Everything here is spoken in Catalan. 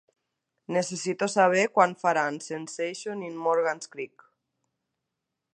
Necessito saber quan faran Sensation in Morgan's Creek